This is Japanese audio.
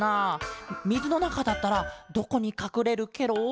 みずのなかだったらどこにかくれるケロ？